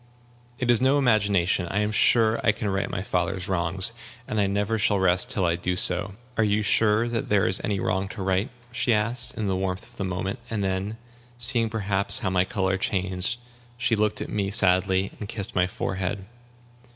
"It is no imagination. I am sure that I can right my father's wrongs. And I never shall rest till I do so." "Are you sure that there is any wrong to right?" she asked, in the warmth of the moment; and then, seeing perhaps how my color changed, she looked at me sadly, and kissed my forehead.